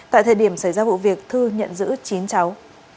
tại thời điểm xảy ra vụ việc thư nhận giữ chín cháu